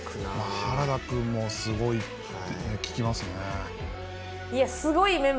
原田君もすごい聞きますね。